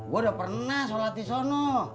gue udah pernah sholat di sana